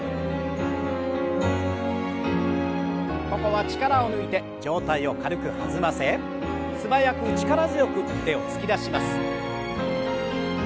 ここは力を抜いて上体を軽く弾ませ素早く力強く腕を突き出します。